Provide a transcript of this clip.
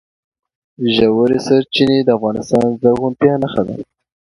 ژورې سرچینې د افغانستان د زرغونتیا نښه ده.